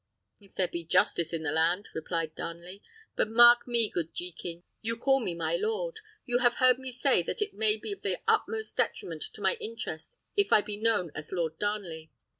"If there be justice in the land," replied Darnley; "but mark me, good Jekin; you call me my lord. You have heard me say that it may be of the utmost detriment to my interest if I be known as Lord Darnley.